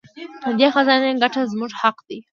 د دې خزانې ګټه زموږ حق دی.